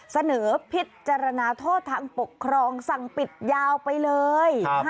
เสนอพิจารณาโทษทางปกครองสั่งปิดยาวไปเลย